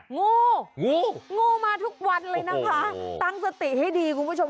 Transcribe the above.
งูงูมาทุกวันเลยนะคะตั้งสติให้ดีคุณผู้ชม